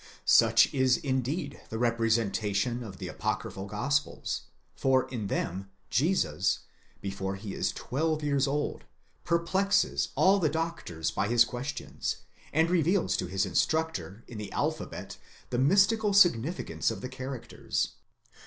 Such is indeed the representation of the apocryphal Gospels, for in them Jesus, before he is twelve years old, perplexes all the doctors by his questions,' and reveals to his instructor in the alphabet the mystical significance of the characters